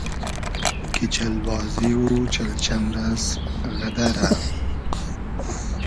کی چئل بازی و چئل چئمرئس غئدئرۂ